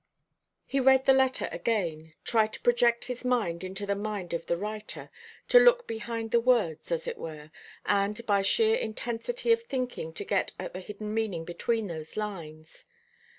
He read the letter again tried to project his mind into the mind of the writer, to look behind the words, as it were, and by sheer intensity of thinking to get at the hidden meaning between those lines.